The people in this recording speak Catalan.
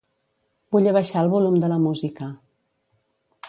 Vull abaixar el volum de la música.